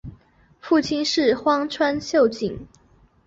父亲是荒川秀景。